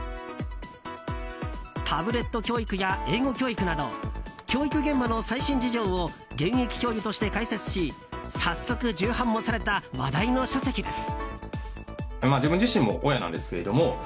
タブレット教育や英語教育など教育現場の最新事情を現役教諭として解説し早速、重版もされた話題の書籍です。